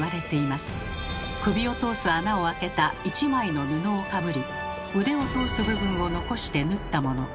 首を通す穴を開けた一枚の布をかぶり腕を通す部分を残して縫ったもの。